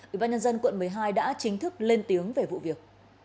ủy ban nhân dân quận một mươi hai đã chính thức lên tiếng về vụ việc